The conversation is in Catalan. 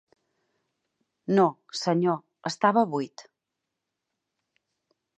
No, senyor, estava buit.